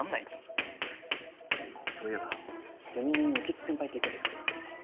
そういえばゼミに興津先輩っていたじゃん。